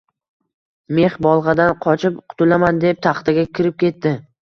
Mix bolg’adan qochib qutulaman deb, taxtaga kirib ketdi.